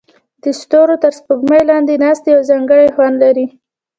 د ستورو تر سپوږمۍ لاندې ناستې یو ځانګړی خوند لري.